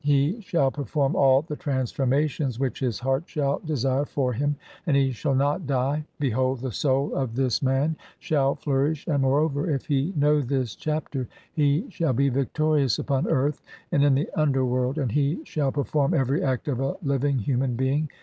HE SHALL PERFORM [ALL] THE TRANSFORMATIONS WHICH HIS HEART SHALL DESIRE FOR HIM AND HE SHALL NOT DIE ; (24) BEHOLD, THE SOUL OF [THIS] MAN SHALL FLOURISH. AND MOREOVER, IF [HE] KNOW THIS CHAPTER HE SHALL BE VICTORIOUS UPON EARTH AND IN THE UNDERWORLD, AND HE SHALL PERFORM EVERY ACT OF A LIVING (23) HUMAN BEING.